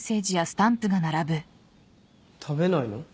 食べないの？